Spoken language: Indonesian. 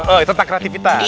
oh itu tentang kreativitas